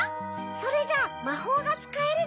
それじゃまほうがつかえるの？